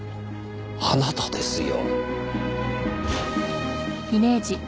あなたですよ。